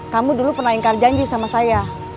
kamu dulu pernah ingkar janji sama saya